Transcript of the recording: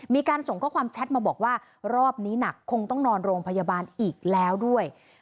มีการส่งข้อความแชทมาบอกว่ารอบนี้หนักคงต้องนอนโรงพยาบาลอีกแล้วด้วย